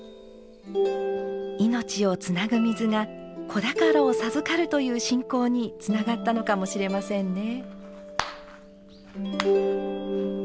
命をつなぐ水が子宝を授かるという信仰につながったのかもしれませんね。